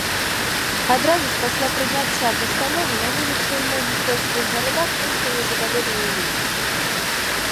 Адразу ж пасля прыняцця пастановы, на вуліцы ў многіх польскіх гарадах выйшлі незадаволеныя людзі.